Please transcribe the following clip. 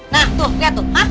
nah lihat tuh